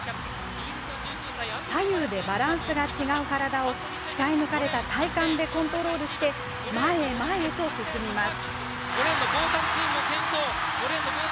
左右でバランスが違う体を鍛え抜かれた体幹でコントロールして前へ前へと進みます。